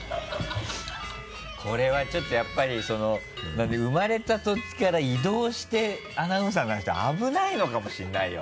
これはちょっとやっぱりその生まれた土地から移動してアナウンサーになった人危ないのかもしれないよ。